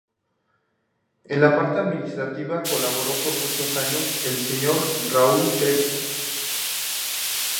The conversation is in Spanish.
En la parte administrativa colaboró por muchos años el Sr. Raúl Crespo.